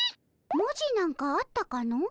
文字なんかあったかの？